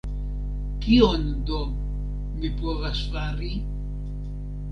Kion do mi povas fari?